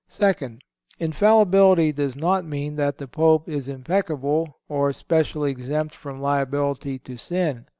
(174) Second—Infallibility does not mean that the Pope is impeccable or specially exempt from liability to sin.